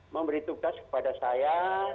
memberi tugas kepada saya